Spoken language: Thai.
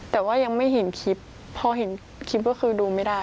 แต่ว่ายังไม่เห็นคลิปพอเห็นคลิปก็คือดูไม่ได้